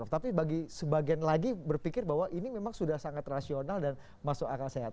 tapi bagi sebagian lagi berpikir bahwa ini memang sudah sangat rasional dan masuk akal sehat